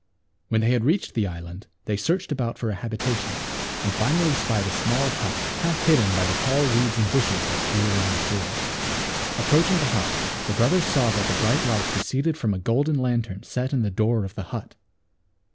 When they had reached the island they searched about for a habitation and finally spied a small hut, half hidden by the tall reeds and bushes that grew along the shore. Approaching the hut the brothers saw that the bright light proceeded from a golden lantern set in the door of the hut.